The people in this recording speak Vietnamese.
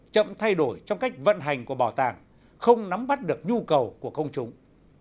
chậm thay đổi trong cách vận hành của bảo tàng không nắm bắt được nhu cầu của công chúng